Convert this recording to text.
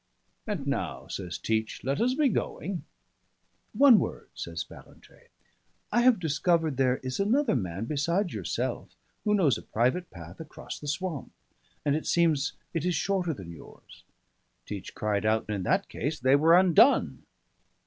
"And now," says Teach, "let us be going." "One word," says Ballantrae. "I have discovered there is another man besides yourself who knows a private path across the swamp; and it seems it is shorter than yours." Teach cried out, in that case, they were undone.